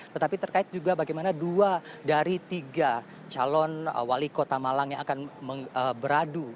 tetapi terkait juga bagaimana dua dari tiga calon wali kota malang yang akan beradu